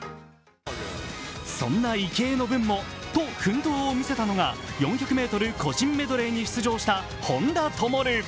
そんな池江の分もと奮闘を見せたのが、４００ｍ個人メドレーに出場した本多灯。